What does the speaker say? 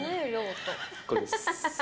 これです。